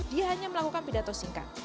dia hanya melakukan pidato singkat